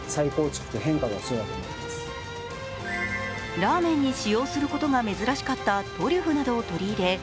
ラーメンに使用することが珍しかったトリュフなどを取り入れ